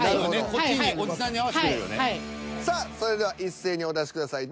こっちにさあそれでは一斉にお出しください。